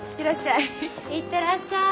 行ってらっしゃい。